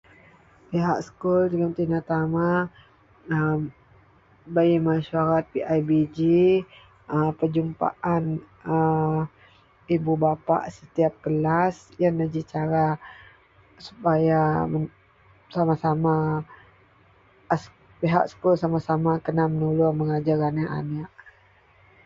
Pihak sekul jegum tina-tama a bei masuwarat PIBG, a perjumpaan a ibubapak setiap kelaih. Iyenlah g cara supaya sama-sama pihak sekul sama-sama mengajer anek-anek.